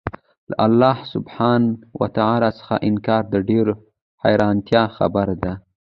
له الله سبحانه وتعالی څخه انكار د ډېري حيرانتيا خبره ده